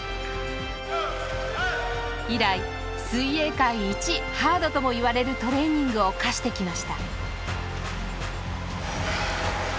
以来水泳界一ハードともいわれるトレーニングを課してきました。